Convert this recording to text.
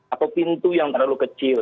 atau pintu yang terlalu kecil